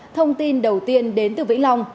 thông tin đầu tiên đến từ vĩnh long